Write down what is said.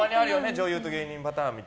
女優と芸人パターンって。